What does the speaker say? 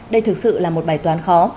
đây thực sự là một bài toán khó